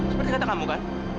seperti kata kamu kan